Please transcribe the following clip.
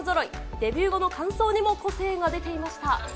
デビュー後の感想にも個性が出ていました。